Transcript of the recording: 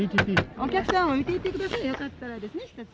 お客さんも見ていってくださいよかったらですね１つ。